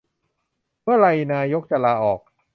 เมื่อไรนายกจะลาออก